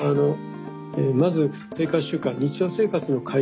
まず生活習慣日常生活の改善